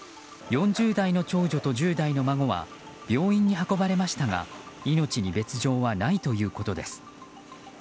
４０代の長女と１０代の孫は病院に運ばれましたが命に別条はないということです。